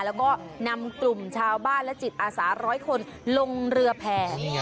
แล้วก็นำกลุ่มชาวบ้านและจิตอาสาร้อยคนลงเรือแผ่